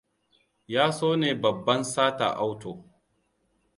Ya so ne babban sata auto.